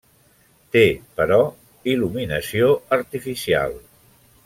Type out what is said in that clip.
Té, però, il·luminació artificial.